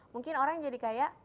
mungkin orang jadi kayak